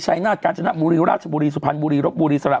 ใช้หน้าการจนการบุรีราชบุรีสุภัณฑ์บุรีรบบุรีสระ